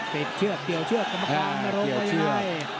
เกี่ยวเชือกเกี่ยวเชือกกำลังมาร้อนไปยังไง